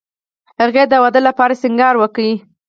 هغې د واده لپاره سینګار وکړ